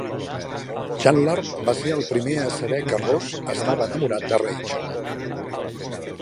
Chandler va ser el primer a saber que Ross estava enamorat de Rachel.